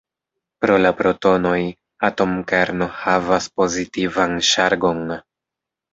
Pro la protonoj, atomkerno havas pozitivan ŝargon.